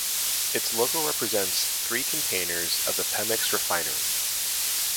Its logo represents three containers of the Pemex refinery.